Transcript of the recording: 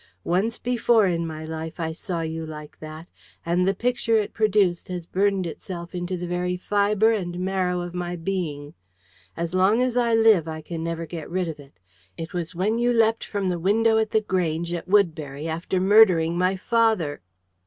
Once before in my life I saw you like that, and the picture it produced has burned itself into the very fibre and marrow of my being. As long as I live, I can never get rid of it. It was when you leapt from the window at The Grange, at Woodbury, after murdering my father!"